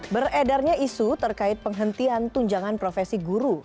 beredarnya isu terkait penghentian tunjangan profesi guru